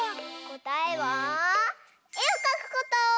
こたえはえをかくこと！